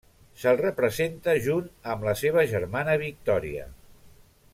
Se'l representa junt amb la seva germana Victòria.